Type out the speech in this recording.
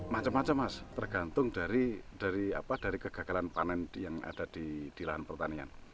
macam macam mas tergantung dari kegagalan panen yang ada di lahan pertanian